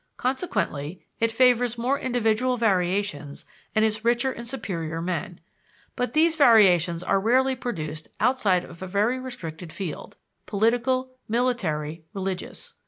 Consequently, it favors more individual variations and is richer in superior men. But these variations are rarely produced outside of a very restricted field political, military, religious.